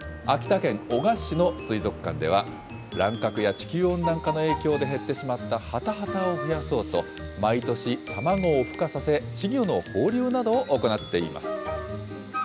秋田県男鹿市の水族館では、乱獲や地球温暖化の影響で減ってしまったハタハタを増やそうと、毎年卵をふ化させ、稚魚の放流などを行っています。